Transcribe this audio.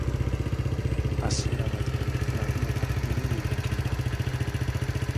Hasiera batean, larunbatak dirudi egokiena.